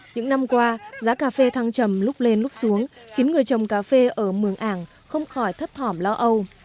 những năm qua giá cà phê thăng trầm lúc lên lúc xuống khiến người trồng cà phê ở mường ảng không khỏi thấp thỏm lo âu